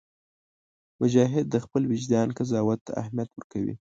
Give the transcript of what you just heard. مجاهد د خپل وجدان قضاوت ته اهمیت ورکوي.